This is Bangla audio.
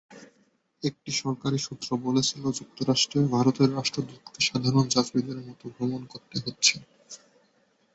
একটি সরকারি সূত্র বলেছিল, যুক্তরাষ্ট্রে ভারতের রাষ্ট্রদূতকে সাধারণ যাত্রীদের মতো ভ্রমণ করতে হচ্ছে।